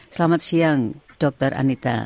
selamat siang doktor anita